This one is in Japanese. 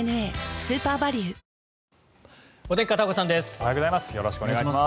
おはようございます。